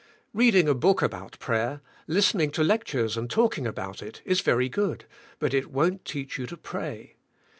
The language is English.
Reading* a book about prayer, listening to lectures and talking about it is very good, but it wont teach you to pray.